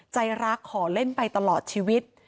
ใจรักขอเล่นไปตลอดชีวิต